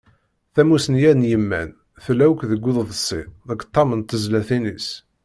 Tamussni-a n yiman, tella akk deg uḍebsi, deg ṭam n tezlatin-is.